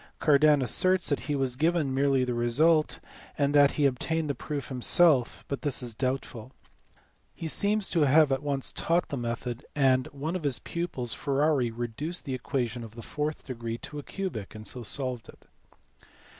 Cardan asserts that he was given merely the result, and that he obtained the proof himself, but this is doubtful. He seems to have at once taught the method, and one of his pupils Ferrari reduced the equation of the fourth degree to a cubic and so solved it.